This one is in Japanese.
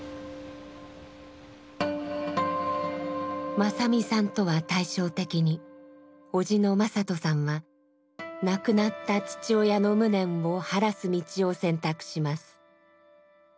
正実さんとは対照的に叔父の正人さんは亡くなった父親の無念を晴らす道を選択します。